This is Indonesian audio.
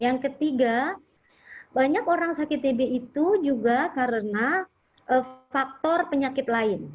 yang ketiga banyak orang sakit tb itu juga karena faktor penyakit lain